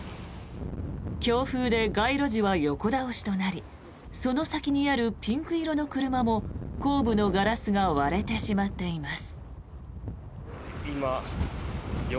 強風で街路樹は横倒しとなりその先にあるピンク色の車も後部のガラスが割れてしまっています。